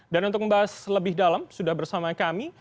dan untuk membahas lebih dalam sudah bersama kami